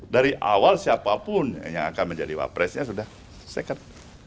dari awal siapapun yang akan menjadi wapresnya sudah second